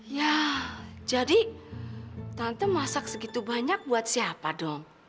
ya jadi tante masak segitu banyak buat siapa dong